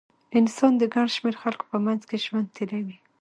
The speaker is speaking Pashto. انسان د ګڼ شمېر خلکو په منځ کې ژوند تېروي.